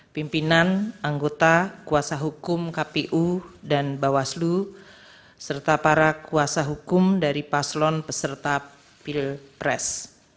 pimpinan anggota kuasa hukum kpu dan bawaslu serta para kuasa hukum dari paslon peserta pilpres